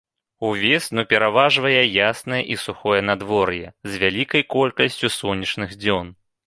Увесну пераважае яснае і сухое надвор'е, з вялікай колькасцю сонечных дзён.